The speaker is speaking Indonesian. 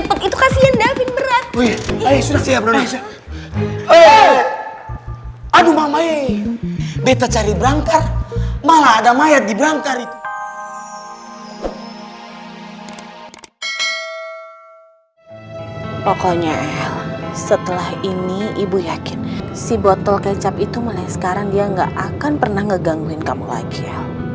pokoknya el setelah ini ibu yakin si botol kecap itu mulai sekarang dia gak akan pernah ngegangguin kamu lagi el